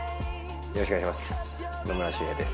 よろしくお願いします。